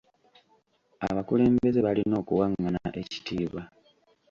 Abakulembeze balina okuwangana ebitiibwa.